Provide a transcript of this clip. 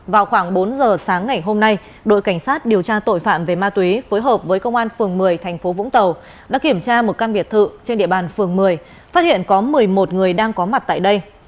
vào khoảng bốn giờ sáng ngày hôm nay đội cảnh sát điều tra tội phạm về ma túy phối hợp với công an phường một mươi thành phố vũng tàu đã kiểm tra một căn biệt thự trên địa bàn phường một mươi phát hiện có một mươi một người đang có mặt tại đây